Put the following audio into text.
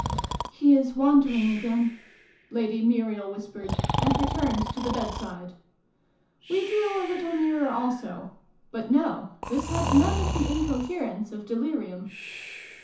" He is wandering again," Lady Muriel whispered, and returned to the bedside. We drew a little nearer also : but no, this had none of the incoherence of delirium.